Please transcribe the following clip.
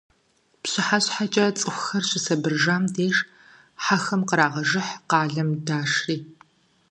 ПщыхьэщхьэкӀэ, цӀыхухэр щысэбырыжам деж, хьэхэм кърагъэжыхь къалэм дашри.